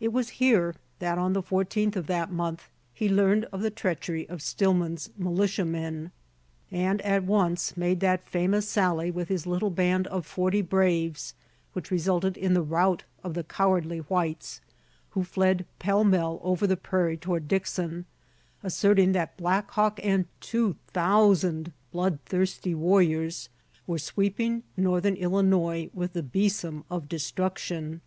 It was here that on the 14th of that month he learned of the treachery of Stillman's militiamen, and at once made that famous sally with his little band of forty braves which resulted in the rout of the cowardly whites, who fled pell mell over the prairie toward Dixon, asserting that Black Hawk and two thousand blood thirsty warriors were sweeping northern Illinois with the besom of destruction.